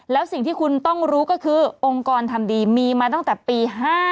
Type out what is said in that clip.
แล้วสิ่งที่คุณต้องรู้ก็คือองค์กรทำดีมีมาตั้งแต่ปี๕๗